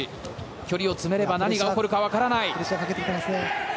距離を詰めれば何が起きるかわからない。